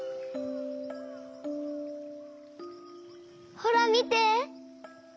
ほらみて！